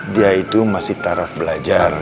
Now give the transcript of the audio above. dia itu masih taraf belajar